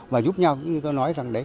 và giúp nhau như tôi nói rằng đấy